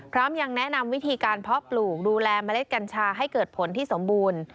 พร้อมยังแนะนำวิธีการเพาะปลูกดูแลเมล็ดกัญชาให้เกิดผลที่สมบูรณ์